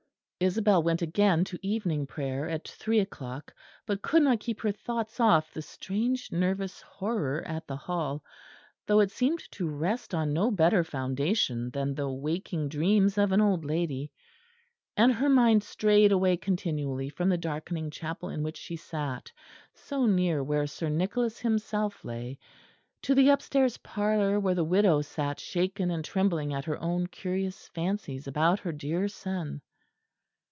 Isabel went again to evening prayer at three o'clock; but could not keep her thoughts off the strange nervous horror at the Hall, though it seemed to rest on no better foundation than the waking dreams of an old lady and her mind strayed away continually from the darkening chapel in which she sat, so near where Sir Nicholas himself lay, to the upstairs parlour where the widow sat shaken and trembling at her own curious fancies about her dear son.